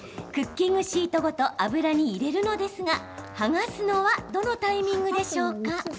クッキングシートごと油に入れるのですが剥がすのはどのタイミングでしょうか？